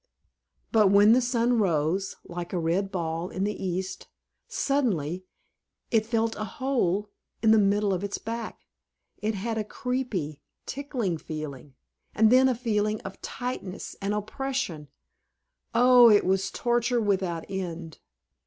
But when the sun rose, like a red ball, in the east, suddenly it felt a hole in the middle of its back. It had a creepy, tickling feeling, and then a feeling of tightness and oppression. Oh, it was torture without end!